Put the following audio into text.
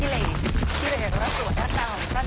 ที่เบสก็สวยท่าน่ะ